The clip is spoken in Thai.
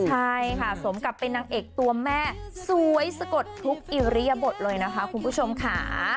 ใช่ค่ะสมกับเป็นนางเอกตัวแม่สวยสะกดทุกอิริยบทเลยนะคะคุณผู้ชมค่ะ